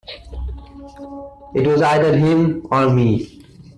It was either him or me.